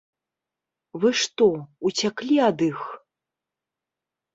Вы што, уцяклі ад іх?